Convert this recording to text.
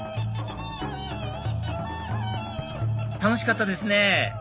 楽しかったですね！